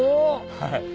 はい。